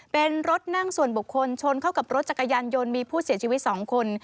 เป็นรถนั่งส่วนบุคคลชนเข้ากับรถจักรยานยนต์มีผู้เสียชีวิต๒คน